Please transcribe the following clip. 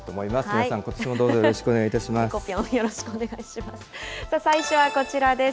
皆さん、ことしもどうぞよろしくみこぴょん、よろしくお願いします。